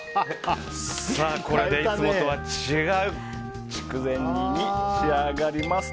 これでいつもとは違う筑前煮に仕上がります。